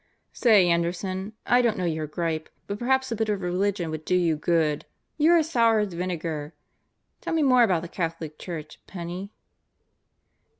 " "Say, Anderson, I don't know your gripe, but perhaps a bit of religion would do you good. You're as sour as vinegar. Tell me more about the Catholic Church, Penney."